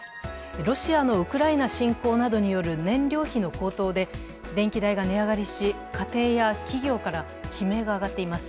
ロシアのウクライナ侵攻などによる燃料費の高騰で電気代が値上がりし家庭や企業から悲鳴が上がっています。